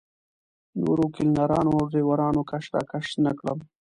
نورو کلینرانو او ډریورانو کش راکش نه کړم.